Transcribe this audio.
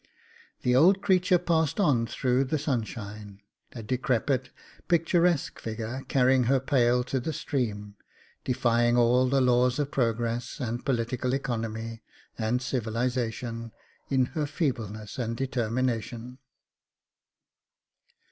The old creature passed on through the sunshine, a decrepit, picturesque figure carrying her pail to the stream, defying all the laws of progress and political economy and civilisation in her feebleness and determination.